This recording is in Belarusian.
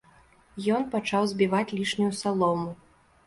Ён пачаў збіваць лішнюю салому.